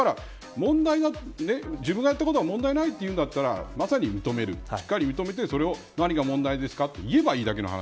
問題は、自分がやったこと問題ないというんだったらしっかり認めてそれを何が問題ですかといえばいいだけの話。